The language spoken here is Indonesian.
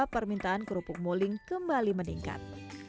permintaan kerupuk muling kembali meningkat